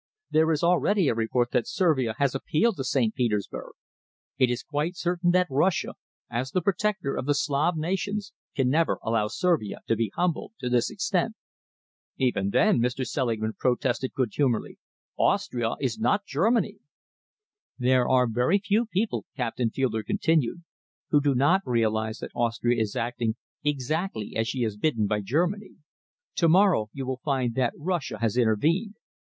There is already a report that Servia has appealed to St. Petersburg. It is quite certain that Russia, as the protector of the Slav nations, can never allow Servia to be humbled to this extent." "Even then," Mr. Selingman protested good humouredly, "Austria is not Germany." "There are very few people," Captain Fielder continued, "who do not realise that Austria is acting exactly as she is bidden by Germany. To morrow you will find that Russia has intervened.